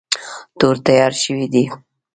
تور تیار شوی دی.